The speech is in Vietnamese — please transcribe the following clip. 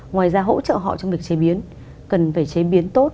ngoài ra hỗ trợ họ trong việc chế biến cần phải chế biến tốt